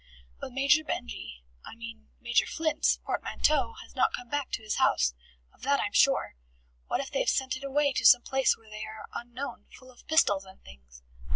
But Major Benjy's I mean Major Flint's portmanteau has not come back to his house. Of that I'm sure. What if they have sent it away to some place where they are unknown, full of pistols and things?"